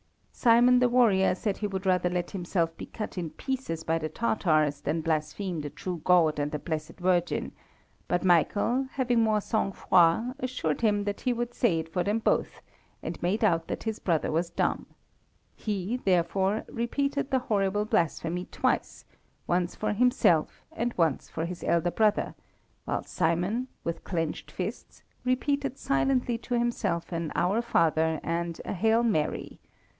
Simon the warrior said he would rather let himself be cut in pieces by the Tatars than blaspheme the true God and the Blessed Virgin, but Michael, having more sang froid, assured him that he would say it for them both, and made out that his brother was dumb. He, therefore, repeated the horrible blasphemy twice, once for himself and once for his elder brother, while Simon, with clenched fists, repeated silently to himself an Our Father and a Hail Mary!